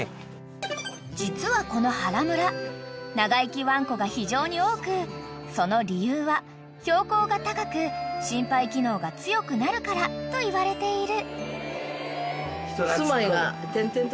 ［実はこの原村長生きワンコが非常に多くその理由は標高が高く心肺機能が強くなるからといわれている］